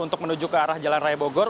untuk menuju ke arah jalan raya bogor